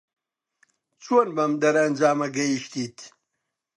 چۆن بەم دەرەنجامە گەیشتیت؟